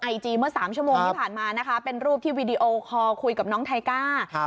ไอจีเมื่อ๓ชั่วโมงที่ผ่านมานะคะเป็นรูปที่วีดีโอคอลคุยกับน้องไทก้า